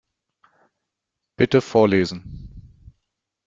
Bitte vorlesen.